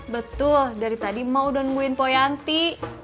betul dari tadi mau nungguin poyanti